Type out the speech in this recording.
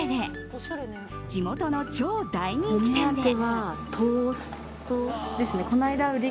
地元の超大人気店で。